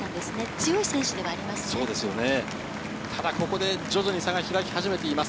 強い選手ではあります。